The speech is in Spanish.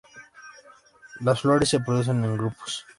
Las flores se producen en grupos.